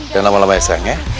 jangan lama lama ya sayang ya